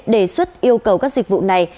đề xuất yêu cầu các dịch vụ này